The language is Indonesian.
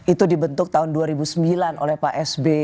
itu dibentuk tahun dua ribu sembilan oleh pak sby